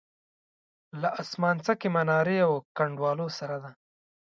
له اسمانڅکې منارې او کنډوالو سره ده.